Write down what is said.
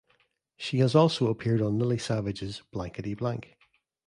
She has also appeared on "Lily Savage's Blankety Blank".